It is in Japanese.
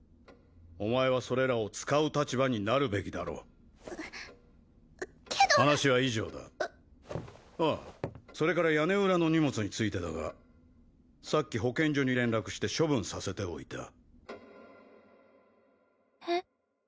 お前はそれらを使う立場になるべきだろうんっけど話は以上だあっああそれから屋根裏の荷物についてだがさっき保健所に連絡して処分させておいたえっ？